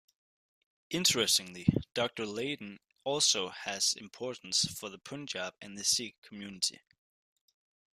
Interestingly Doctor Leyden also has importance for the Punjab and the Sikh community.